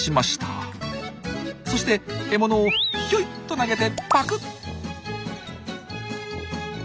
そして獲物をヒョイっと投げてパクッ！